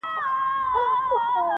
نه یې خدای او نه یې خلګو ته مخ تور سي,